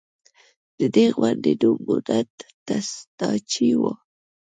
د دې غونډۍ نوم مونټ ټسټاچي و